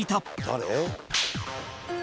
「誰？」